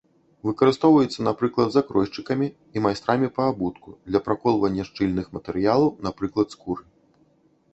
Выкарыстоўваецца, напрыклад, закройшчыкамі і майстрамі па абутку для праколвання шчыльных матэрыялаў, напрыклад, скуры.